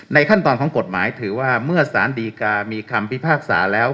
ขั้นตอนของกฎหมายถือว่าเมื่อสารดีกามีคำพิพากษาแล้ว